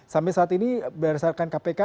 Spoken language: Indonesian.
sampai saat ini berdasarkan kpk